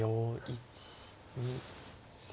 １２３。